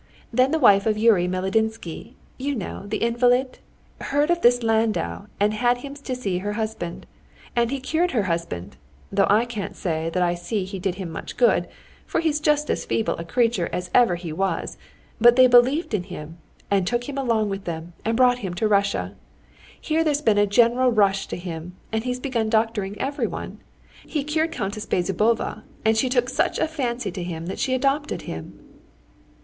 Then the wife of Yury Meledinsky—you know, the invalid?—heard of this Landau, and had him to see her husband. And he cured her husband, though I can't say that I see he did him much good, for he's just as feeble a creature as ever he was, but they believed in him, and took him along with them and brought him to Russia. Here there's been a general rush to him, and he's begun doctoring everyone. He cured Countess Bezzubova, and she took such a fancy to him that she adopted him."